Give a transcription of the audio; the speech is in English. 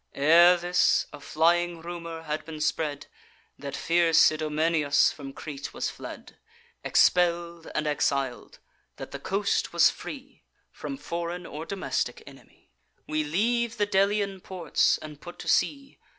Ere this, a flying rumour had been spread That fierce Idomeneus from Crete was fled, Expell'd and exil'd; that the coast was free From foreign or domestic enemy. "We leave the Delian ports, and put to sea.